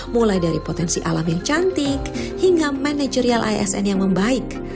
mulai dari potensi alam yang cantik hingga manajerial asn yang membaik